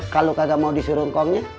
kalau kata mau disuruh kongnya